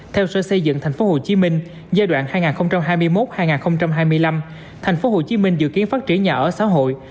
theo sở xây dựng tp hcm giai đoạn hai nghìn hai mươi một hai nghìn hai mươi năm tp hcm dự kiến phát triển nhà ở xã hội